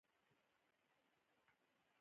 بوره او مالګه سپین زهر بلل کیږي.